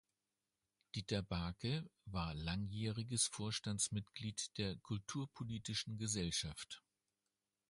Dieter Baacke war langjähriges Vorstandsmitglied der Kulturpolitischen Gesellschaft.